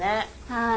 はい。